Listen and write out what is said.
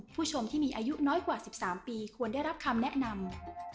ผู้ชมที่มีอายุน้อยกว่า๑๓ปีควรได้รับคำแนะนำ